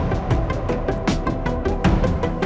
หนูอิทอย่าไปกลัว